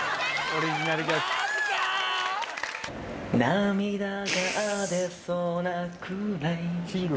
「涙が出そうなくらい」